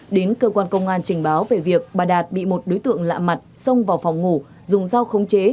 đến cơ quan công an trình báo về việc bà đạt bị một đối tượng lạ mặt xông vào phòng ngủ dùng dao khống chế